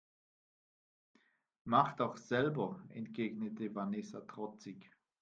Mach doch selber, entgegnete Vanessa trotzig.